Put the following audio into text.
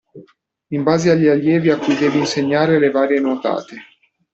In base agli allievi a cui deve insegnare le varie nuotate.